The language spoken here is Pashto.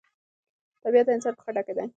طبیعت د انسان په خټه کې دی.